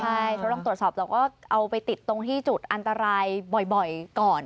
ใช่เขาลองตรวจสอบแต่ว่าเอาไปติดตรงที่จุดอันตรายบ่อยก่อน